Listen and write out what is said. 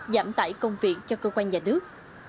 giảm tải công việc cho cơ quan nhà nước